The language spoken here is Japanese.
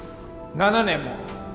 ７年も！